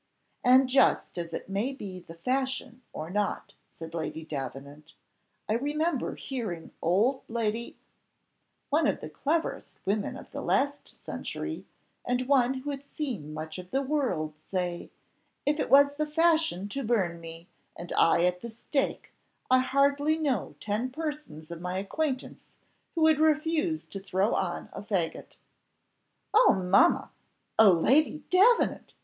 "And just as it may be the fashion or not," said Lady Davenant. "I remember hearing old Lady , one of the cleverest women of the last century, and one who had seen much of the world, say, 'If it was the fashion to burn me, and I at the stake, I hardly know ten persons of my acquaintance who would refuse to throw on a faggot.'" "Oh mamma! Oh Lady Davenant!"